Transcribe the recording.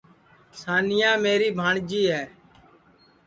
سانیا میری بھانٚجی ہے